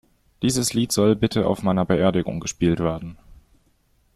Dieses Lied soll bitte auf meiner Beerdigung gespielt werden.